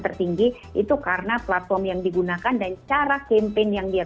tertinggi itu karena platform yang digunakan dan cara campaign yang dia